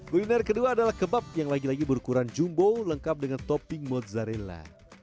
kuliner kedua adalah kebab yang lagi lagi berukuran jumbo lengkap dengan topping mozzarella